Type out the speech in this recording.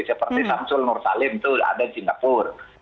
seperti samsul nursalim itu ada di singapura